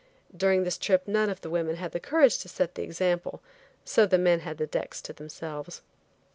During this trip none of the women had the courage to set the example, so the men had the decks to themselves.